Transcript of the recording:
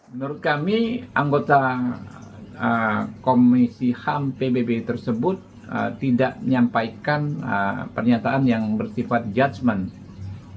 menurut kami anggota komisi ham pbb tersebut tidak menyampaikan pernyataan yang bersifat judgement